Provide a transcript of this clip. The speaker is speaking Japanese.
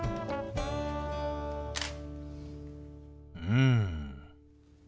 うん。